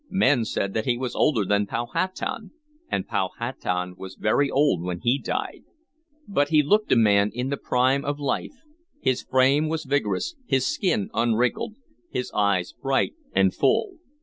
Men said that he was older than Powhatan, and Powhatan was very old when he died. But he looked a man in the prime of life; his frame was vigorous, his skin unwrinkled, his eyes bright and full.